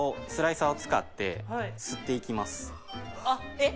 えっ。